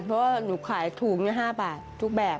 เพราะว่าหนูขายถูก๕บาททุกแบบ